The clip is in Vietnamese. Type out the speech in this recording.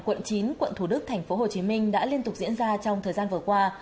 công an quận thủ đức tp hcm đã liên tục diễn ra trong thời gian vừa qua